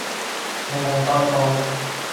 嗷嗷待哺